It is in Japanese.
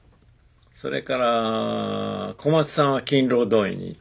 それから小松さんは勤労動員に行ってたし。